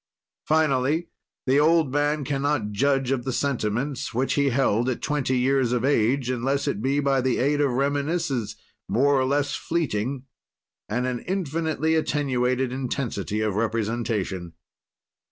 "Finally, the old man can not judge of the sentiments which he held at twenty years of age, unless it be by the aid of reminiscences, more or less fleeting, and an infinitely attenuated intensity of representation.